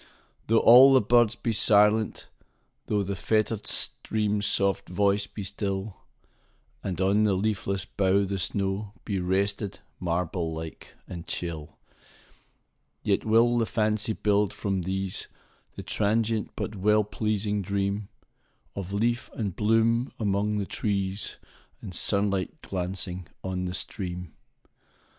Though all the birds be silent,—thoughThe fettered stream's soft voice be still, And on the leafless bough the snowBe rested, marble like and chill,—Yet will the fancy build, from these, The transient but well pleasing dreamOf leaf and bloom among the trees, And sunlight glancing on the stream.